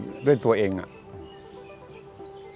ทำด้วยความรู้ของตัวเองที่ตัวเองรู้แค่นั้น